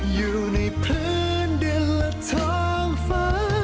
อยู่ในพื้นเดือนละท้องฟ้า